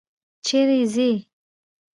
چیري ځې؟